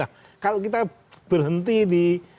nah kalau kita berhenti di